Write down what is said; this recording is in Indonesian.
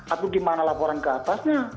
aduh gimana laporan keatasnya